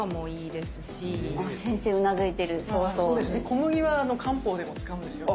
小麦は漢方でも使うんですよね。